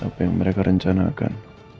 apa yang mereka rencanakan